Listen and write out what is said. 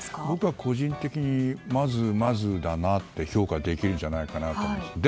僕は個人的に、まずまずだなと評価できるんじゃないかなと思います。